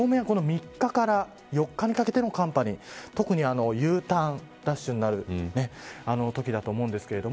当面は３日から４日にかけての寒波に特にＵターンラッシュになるときだと思うんですけども。